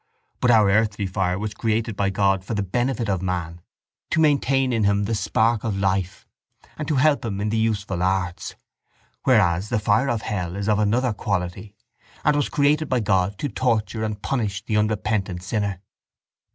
But our earthly fire was created by God for the benefit of man, to maintain in him the spark of life and to help him in the useful arts whereas the fire of hell is of another quality and was created by God to torture and punish the unrepentant sinner.